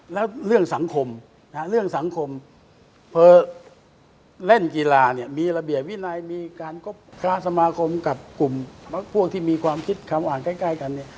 แล้วเรื่องสังคมเรื่องสังคมพอเล่นกีฬาเนี่ยมีระเบียบวินัยมีการคบคลาสมาคมกับกลุ่มพวกที่มีความคิดคำอ่านใกล้กันเนี่ย